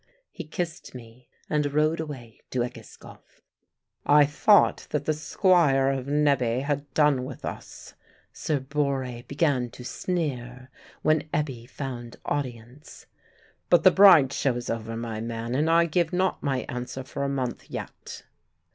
He kissed me and rode away to Egeskov. "I thought that the Squire of Nebbe had done with us," Sir Borre began to sneer, when Ebbe found audience. "But the Bride show is over, my man, and I give not my answer for a month yet."